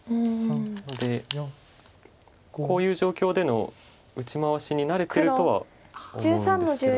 のでこういう状況での打ち回しに慣れてるとは思うんですけど。